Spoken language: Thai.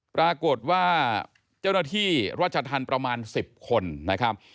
ปรากฏว่าเจ้าหน้าที่ราชธรรมประมาณ๑๐คนนะครับ